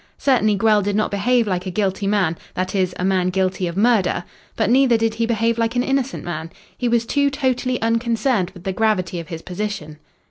Certainly Grell did not behave like a guilty man that is, a man guilty of murder. But neither did he behave like an innocent man. He was too totally unconcerned with the gravity of his position.